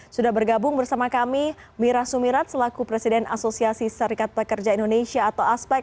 sudah bergabung bersama kami mira sumirat selaku presiden asosiasi serikat pekerja indonesia atau aspek